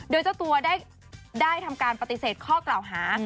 โดยเจ้าตัวได้ทำการปฏิเสธข้อกล่าวหา